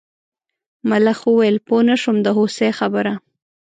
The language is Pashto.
ملخ وویل پوه نه شوم د هوسۍ خبره.